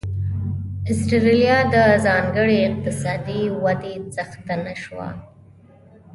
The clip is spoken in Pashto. اسټرالیا د ځانګړې اقتصادي ودې څښتنه شوه.